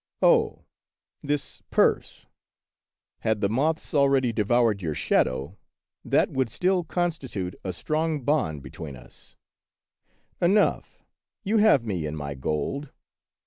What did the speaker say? Oh ! this purse !— had the moths already devoured your shadow, that would still constitute a strong bond between of Peter SchlemihL 93 us. Enough, you have me in my gold.